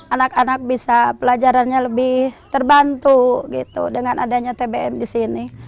anak anak bisa pelajarannya lebih terbantu gitu dengan adanya tbm di sini